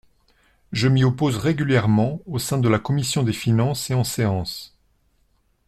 Je m’y oppose régulièrement au sein de la commission des finances et en séance.